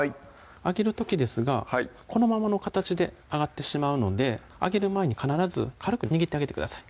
揚げる時ですがこのままの形で揚がってしまうので揚げる前に必ず軽く握ってあげてください